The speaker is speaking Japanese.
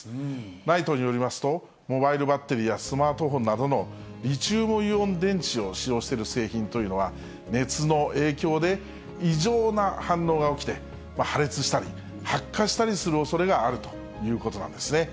ＮＩＴＥによりますと、モバイルバッテリーやスマートフォンなどのリチウムイオン電池を使用している製品というのは、熱の影響で異常な反応が起きて、破裂したり、発火したりするおそれがあるということなんですね。